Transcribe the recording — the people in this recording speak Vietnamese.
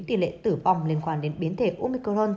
tỷ lệ tử vong liên quan đến biến thể omicron